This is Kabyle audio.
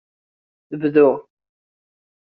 Bdu.